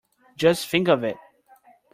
Just think of it!